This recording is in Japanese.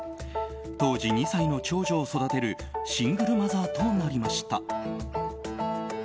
当時２歳の長女を育てるシングルマザーとなりました。